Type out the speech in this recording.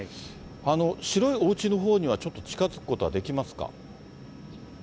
白いおうちのほうには、ちょっと近づくことはできますか？